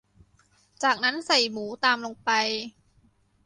จากนั้นใส่หมูตามลงไป